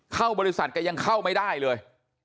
เข้าบริษัทแกยังเข้าไม่ได้เลย